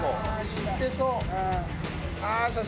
知ってそう。